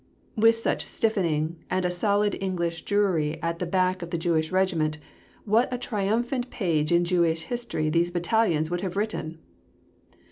With such a stiffening, and a solid English Jewry at the back of the Jewish Regiment, what a triumphant page in Jewish history these battalions would have written!